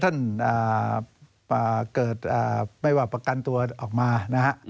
ถ้าท่านเกิดไม่ว่าประกันตัวออกมา